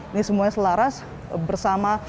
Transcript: ini semuanya selaras bersama